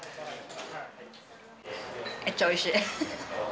めっちゃおいしい。